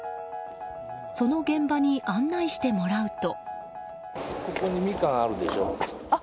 その現場に案内してもらうと。